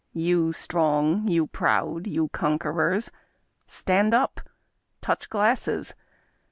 You strong, you proud, you conquerors — stand up! Touch glasses